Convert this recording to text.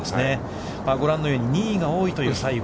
ご覧のように、２位が多いという西郷。